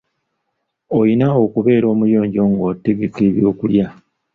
Oyina okubeera omuyonjo ng'otegeka ebyokulya.